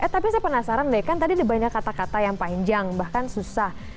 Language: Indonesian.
tapi saya penasaran deh kan tadi ada banyak kata kata yang panjang bahkan susah